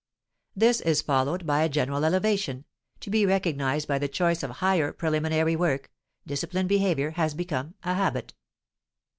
This is followed by a general elevation, to be recognized by the choice of higher preliminary work; disciplined behavior has become a habit.